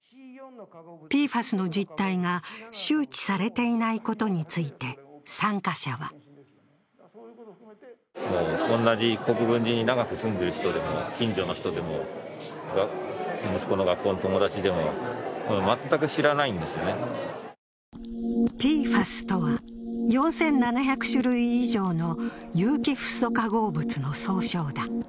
ＰＦＡＳの実態が周知されていないことについて参加者はＰＦＡＳとは４７００種類以上の有機フッ素化合物の総称だ。